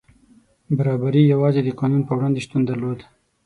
برابري یوازې د قانون په وړاندې شتون درلود.